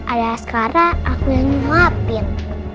ada sekarang aku yang nunggu hapin